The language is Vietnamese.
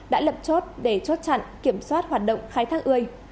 đã lập chốt để chốt chặn kiểm soát hoạt động khai thác ươi